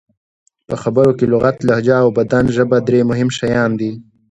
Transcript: په خبرو کې لغت، لهجه او د بدن ژبه درې مهم شیان دي.